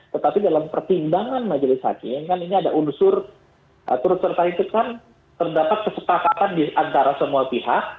tetapi dalam pertimbangan majelis hakim kan ini ada unsur turut serta itu kan terdapat kesepakatan di antara semua pihak